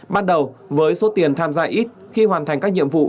ban đầu với số tiền tham gia ít khi hoàn thành các nhiệm vụ